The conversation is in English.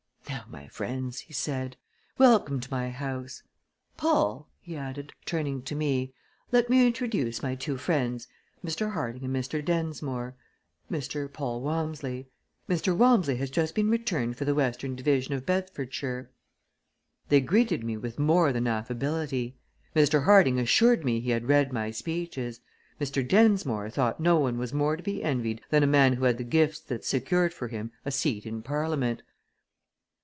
"Now, my friends," he said, "welcome to my house! Paul," he added, turning to me, "let me introduce my two friends, Mr. Harding and Mr. Densmore Mr. Paul Walmsley. Mr. Walmsley has just been returned for the western division of Bedfordshire." They greeted me with more than affability. Mr. Harding assured me he had read my speeches. Mr. Densmore thought no one was more to be envied than a man who had the gifts that secured for him a seat in Parliament.